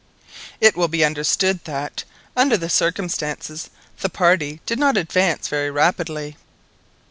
It will be understood that, under the circumstances, the party did not advance very rapidly.